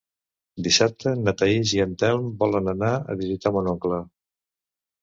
Dissabte na Thaís i en Telm volen anar a visitar mon oncle.